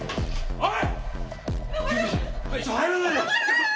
おい！